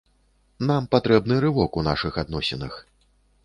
Нам патрэбны рывок у нашых адносінах.